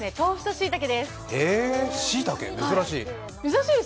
しいたけ、珍しい。